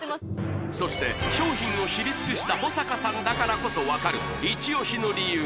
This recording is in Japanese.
そして商品を知り尽くした保阪さんだからこそ分かるイチオシの理由